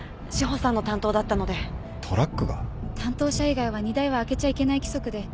担当者以外は荷台は開けちゃいけない規則で。